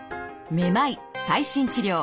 めまい最新治療。